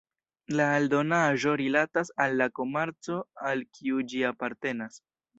La aldonaĵo rilatas al la komarko al kiu ĝi apartenas.